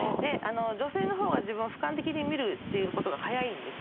女性の方が自分をふかん的に見るっていうことが早いんです。